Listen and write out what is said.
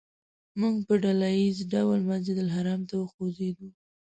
موږ په ډله ییز ډول مسجدالحرام ته وخوځېدو.